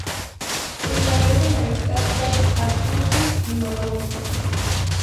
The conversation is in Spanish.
Establecen amistad con Atsushi y Mamoru.